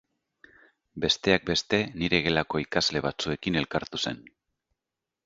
Besteak beste nire gelako ikasle batzuekin elkartu zen.